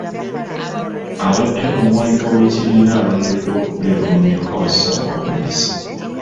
Abadde omuwanika w’ekibiina alondeddwa okubeera omumyuka wa ssaabawandiisi.